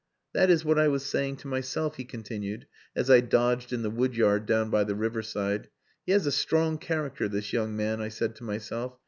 "That is what I was saying to myself," he continued, "as I dodged in the woodyard down by the river side. 'He has a strong character this young man,' I said to myself.